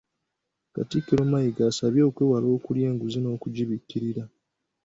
Katikkiro Mayiga abasabye okwewala okulya enguzi n'okugibikkirira.